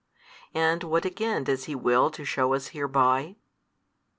And what again does He will to shew us hereby?